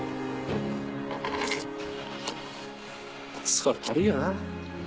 そりゃあるよな。